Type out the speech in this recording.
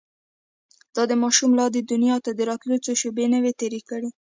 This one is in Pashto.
دا ماشوم لا دې دنيا ته د راتلو څو شېبې نه وې تېرې کړې.